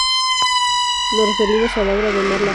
Nos referimos a la obra de Marla Freire.